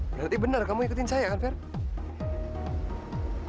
berarti benar kamu ikutin saya kan fer